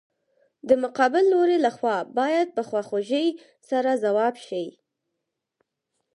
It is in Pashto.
د مقابل لوري له خوا باید په خواخوږۍ سره ځواب شي.